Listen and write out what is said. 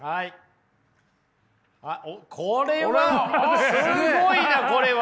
これはすごいなこれは！